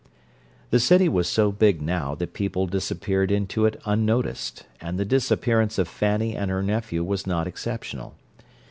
The city was so big, now, that people disappeared into it unnoticed, and the disappearance of Fanny and her nephew was not exceptional.